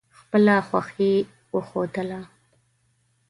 خپله خوښي وښودله.